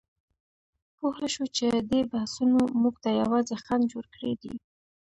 پوهه شو چې دې بحثونو موږ ته یوازې خنډ جوړ کړی دی.